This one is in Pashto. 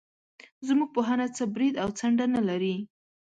زموږ پوهنه څه برید او څنډه نه لري.